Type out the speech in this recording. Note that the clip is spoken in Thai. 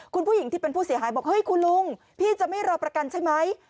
คุณผู้หญิงที่เป็นผู้เสียหายบอกเฮ้ยคุณลุงพี่จะไม่รอประกันใช่ไหม